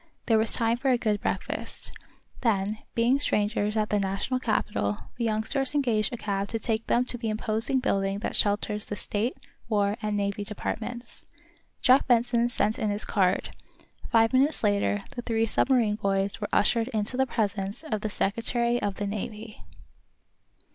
There was time for a good breakfast. Then, being strangers at the national capital, the youngsters engaged a cab to take them to the imposing building that shelters the State, War and Navy Departments. Jack Benson sent in his card. Five minutes later the three submarine boys were ushered into the presence of the Secretary of the Navy.